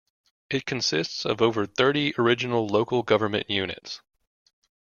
It consists of over thirty original local government units.